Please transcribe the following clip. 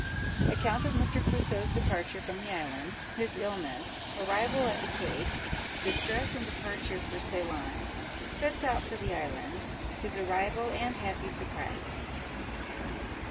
Account of Mr. Crusoe's Departure from the Island—His Illness—Arrival at the Cape—Distress, and Departure for Ceylon—Sets out for the Island—His arrival, and happy surprise.